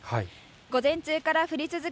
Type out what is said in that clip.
午前中から降り続く